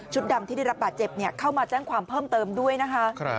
ดำที่ได้รับบาดเจ็บเข้ามาแจ้งความเพิ่มเติมด้วยนะคะ